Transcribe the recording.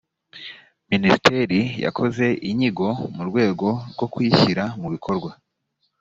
minisiteri yakoze inyigo mu rwego rwo kuyishyira mu bikorwa